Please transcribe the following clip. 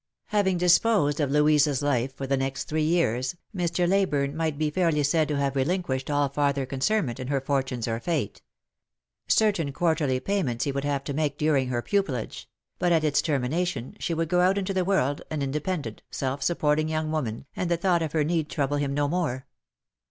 Having disposed of Louisa's life for the next three years, Mr. Leyburne might be fairly said to have relinqnished all farther concernment in her fortunes or fate. Certain quarterly pay ments he would have to make during her pupilage ; but at its termination she would go out into the world an independent, self supporting young woman, and the thought of her need trouble him no more.